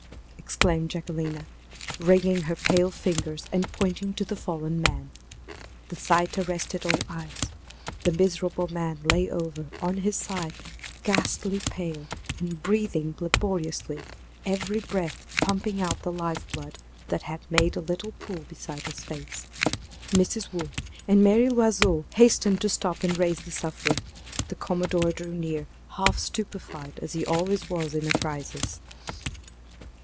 exclaimed Jacquelina, wringing her pale fingers, and pointing to the fallen man. The sight arrested all eyes. The miserable man lay over on his side, ghastly pale, and breathing laboriously, every breath pumping out the life blood, that had made a little pool beside his face. Mrs. Waugh and Mary L'Oiseau hastened to stoop and raise the sufferer. The commodore drew near, half stupefied, as he always was in a crisis.